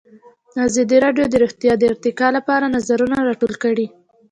ازادي راډیو د روغتیا د ارتقا لپاره نظرونه راټول کړي.